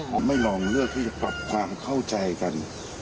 ผมไม่ลองเลือกที่จะปรับความเข้าใจกัน